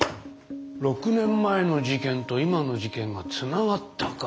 ６年前の事件と今の事件がつながったか。